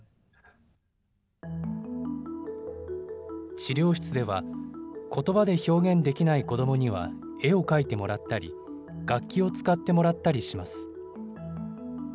治療室では、ことばで表現できない子どもには絵を描いてもらったり、楽器を使ってもらったりします。